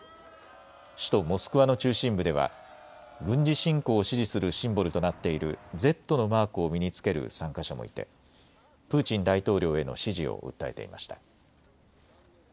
首都モスクワの中心部では軍事侵攻を支持するシンボルとなっているＺのマークを身につける参加者もいてプーチン大統領への支持を訴えていました。